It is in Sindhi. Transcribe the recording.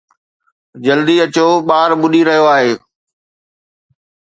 جلدي اچو؛ ٻار ٻڏي رهيو آهي